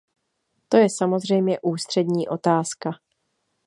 To je samozřejmě ústřední otázka.